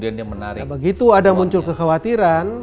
begitu ada muncul kekhawatiran